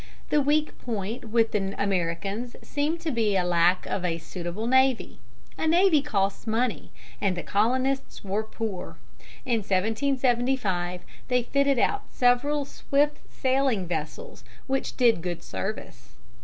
The weak point with the Americans seemed to be lack of a suitable navy. A navy costs money, and the Colonists were poor. In 1775 they fitted out several swift sailing vessels, which did good service.